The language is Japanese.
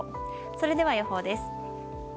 それでは予報です。